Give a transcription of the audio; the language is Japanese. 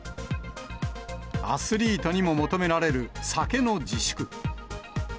アスリートにも求められる酒の自粛。